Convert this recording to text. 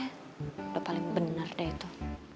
udah paling bener deh itu